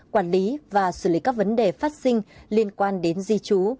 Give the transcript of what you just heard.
quản lý và xử lý các vấn đề phát sinh liên quan đến di trú